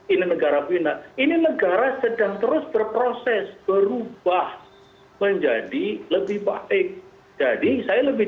ini negara final ini negara sedang terus berproses berubah menjadi lebih baik jadi saya lebih